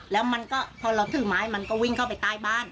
แล้วมันก็พอเราถือไม้มันก็วิ่งเข้าไปใต้บ้าน